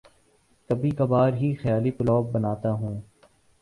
کبھی کبھار ہی خیالی پلاو بناتا ہوں